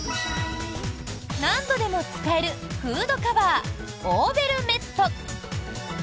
何度でも使えるフードカバーオーヴェルメット。